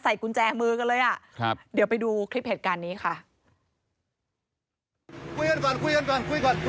ไม่ไม่ไม่ไม่ผมคุยกับท่านรหัสหนึ่ง